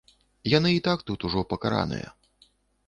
Яны і так ужо пакараныя.